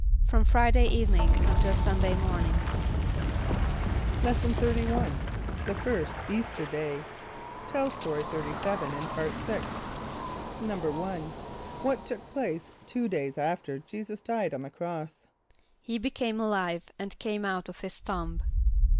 =From Friday evening until Sunday morning.= Lesson XXXI. The First Easter Day. (Tell Story 37 in Part Sixth.) =1.= What took place two days after J[=e]´[s+]us died on the cross? =He became alive and came out of his tomb.